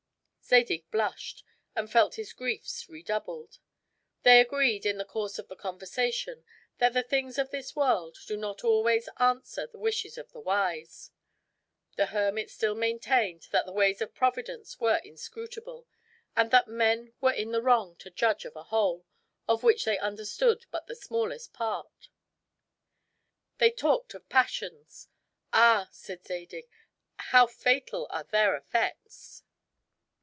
Zadig blushed, and felt his griefs redoubled. They agreed, in the course of the conversation, that the things of this world did not always answer the wishes of the wise. The hermit still maintained that the ways of Providence were inscrutable; and that men were in the wrong to judge of a whole, of which they understood but the smallest part. They talked of passions. "Ah," said Zadig, "how fatal are their effects!"